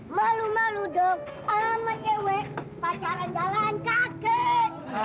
malu malu dong alamat cewek pacaran jalan kakek